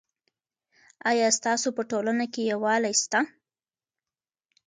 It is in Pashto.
آیا ستاسو په ټولنه کې یووالی سته؟